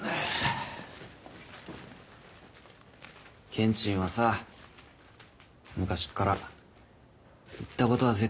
ケンチンはさ昔から言ったことは絶対守るやつなんだよ。